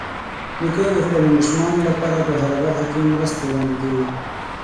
نیکه د خپلو ماشومانو لپاره په هره برخه کې مرستې وړاندې کوي.